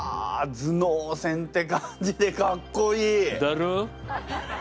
頭脳戦って感じでかっこいい！だろう？